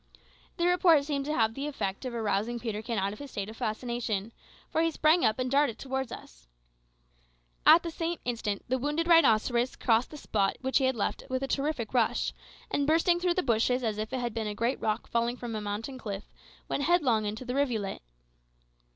The report seemed to have the effect of arousing Peterkin out of his state of fascination, for he sprang up and darted towards us. At the same instant the wounded rhinoceros crossed the spot which he had left with a terrific rush, and bursting through the bushes as if it had been a great rock falling from a mountain cliff, went headlong into the rivulet.